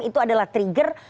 itu adalah trigger